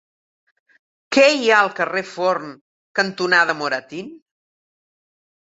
Què hi ha al carrer Forn cantonada Moratín?